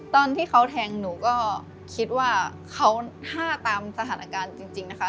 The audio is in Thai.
ตอนที่เขาแทงหนูก็คิดว่าเขาห้าตามสถานการณ์จริงนะคะ